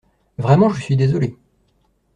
Vraiment, je suis désolé.